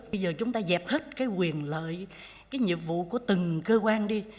bây giờ chúng ta dẹp hết cái quyền lợi cái nhiệm vụ của từng cơ quan đi